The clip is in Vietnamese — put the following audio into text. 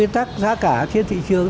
tăng giá cả trên thị trường